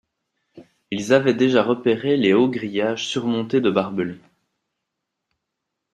Ils avaient déjà repéré les hauts grillages surmontés de barbelés